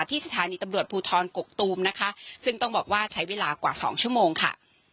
ที่สถานีตำรวจภูทรกกตูมนะคะซึ่งต้องบอกว่าใช้เวลากว่าสองชั่วโมงค่ะ